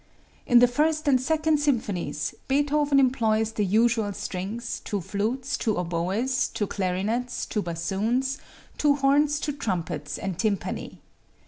In the First and Second Symphonies, Beethoven employs the usual strings, two flutes, two oboes, two clarinets, two bassoons, two horns, two trumpets and tympani.